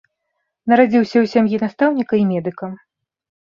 Нарадзіўся ў сям'і настаўніка і медыка.